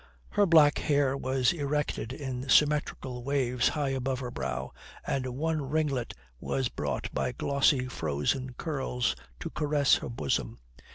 Her black hair was erected in symmetrical waves high above her brow, and one ringlet was brought by glossy, frozen curls to caress her bosom.